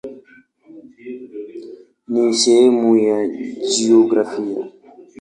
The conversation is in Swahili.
Ni sehemu ya jiografia.